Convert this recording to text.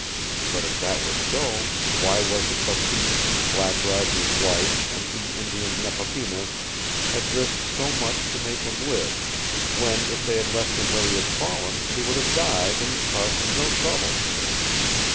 But if that were so, why was it Bateese and Black Roger's wife and the Indian Nepapinas had risked so much to make him live, when if they had left him where he had fallen he would have died and caused them no trouble?